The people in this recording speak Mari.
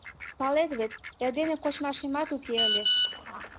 Палет вет, эрдене кочмашемат уке ыле.